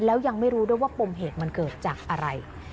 แล้วยังไม่รู้ด้วยว่าปมเหตุมันเกิดจากอะไร